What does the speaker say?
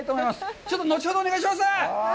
ちょっと後ほどお願いします！